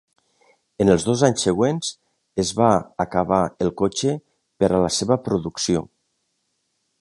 En els dos anys següents es va acabar el cotxe per a la seva producció.